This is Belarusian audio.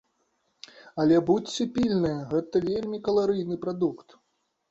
Але будзьце пільныя, гэта вельмі каларыйны прадукт.